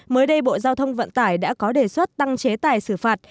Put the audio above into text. mới đây bộ giao thông vận tải đã có đề xuất tăng chế tài xử phạt